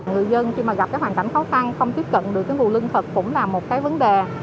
người dân khi mà gặp cái hoàn cảnh khó khăn không tiếp cận được cái nguồn lương thực cũng là một cái vấn đề